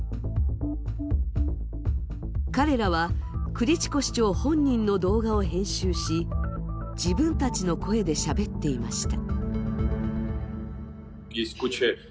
彼らはクリチコ市長本人の動画を編集し、自分たちの声でしゃべっていました。